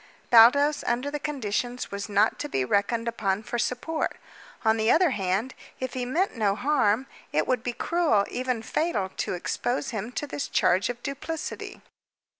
Baldos, under the conditions, was not to be reckoned upon for support. On the other hand, if he meant no harm, it would be cruel, even fatal, to expose him to this charge of duplicity.